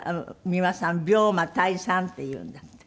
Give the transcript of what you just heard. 美輪さん「病魔退散」って言うんだって。